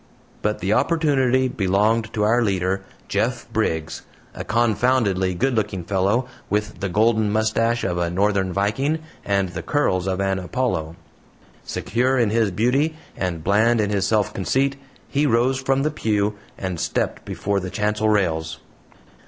But the opportunity belonged to our leader, Jeff Briggs a confoundedly good looking fellow, with the golden mustache of a northern viking and the curls of an Apollo. Secure in his beauty and bland in his self conceit, he rose from the pew, and stepped before the chancel rails.